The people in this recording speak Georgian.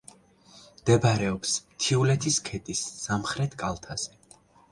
მდებარეობს მთიულეთის ქედის სამხრეთ კალთაზე.